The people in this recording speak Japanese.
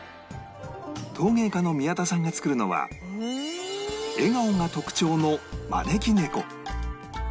陶芸家の宮田さんが作るのは笑顔が特徴の招き猫